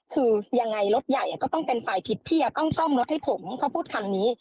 คือยังไงรถใหญ่ก็ต้องเป็นฝ่ายผิดที่จะต้องซ่อมรถให้ผมเขาพูดคำนี้